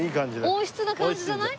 温室な感じじゃない？